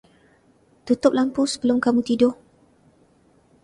Tutup lampu sebelum kamu tidur.